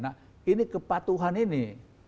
nah ini kepatuhan ini